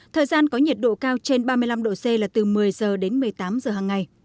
thời gian có nhiệt độ cao trên ba mươi năm độ c là từ một mươi h đến một mươi tám h hằng ngày